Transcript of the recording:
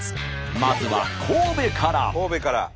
まずは神戸から。